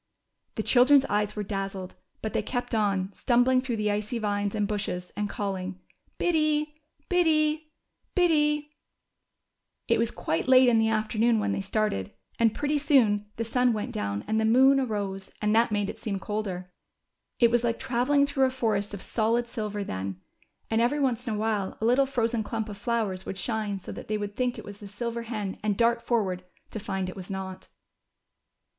The children's eyes were dazzled, but they kept on, stumbling through the icy vines and bushes, and calling Biddy, Biddy, Biddy." It was quite late in the afternoon when they started, 264 THE CHILDREN'S WONDER BOOK. and pretty soon the sun went down and the moon arose and that made it seem colder. It was like travelling through a forest of solid silver then, and every once in a while a little frozen clump of flowers would shine so that they w'ould think it was the silver hen and dart forward, to find it was not.